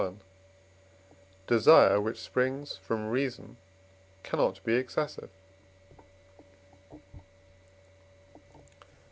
LXI. Desire which springs from reason cannot be excessive.